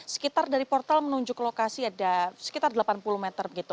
sekitar dari portal menuju ke lokasi ada sekitar delapan puluh meter